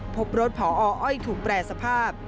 พบรถพออ้อยถูกแปรสภาพ